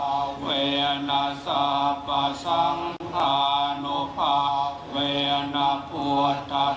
รูปที่ห้านายกริจยภงสิริประหลัดกระทรวงมธรรม